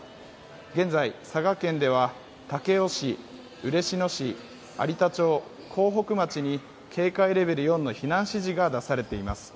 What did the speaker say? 現在佐賀県では武雄市、嬉野市、有田町、江北町に警戒レベル４の避難指示が出されています。